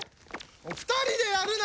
２人でやるな！